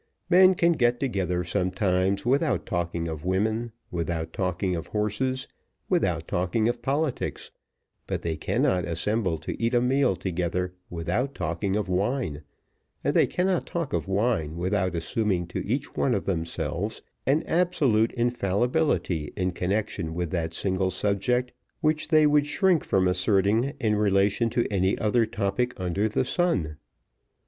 Men can get together sometimes without talking of women, without talking of horses, without talking of politics, but they cannot assemble to eat a meal together without talking of wine, and they cannot talk of wine without assuming to each one of themselves an absolute infallibility in connection with that single subject which they would shrink from asserting in relation to any other topic under the sun.